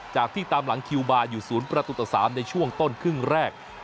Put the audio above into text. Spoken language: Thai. ที่ตามหลังคิวบาร์อยู่๐ประตูต่อ๓ในช่วงต้นครึ่งแรก